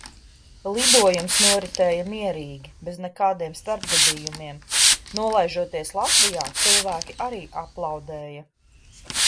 Lidojums noritēja mierīgi, bez nekādiem starpgadījumiem. Nolaižoties Latvijā, cilvēki arī aplaudēja.